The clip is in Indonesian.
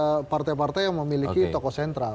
tapi ini adalah partai partai yang memiliki tokoh sentral